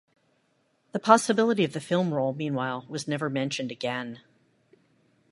The possibility of the film role, meanwhile, was never mentioned again.